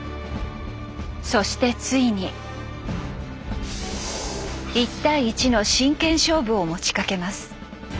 そしてついに一対一の真剣勝負を持ちかけます。